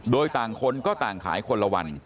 โดยต่างคนก็ต่างขายคนละวัน